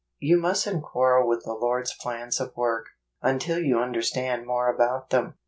You mustn't quarrel with the Lord's plans of work, until you understand more about them.